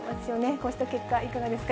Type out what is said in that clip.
こうした結果、いかがですか？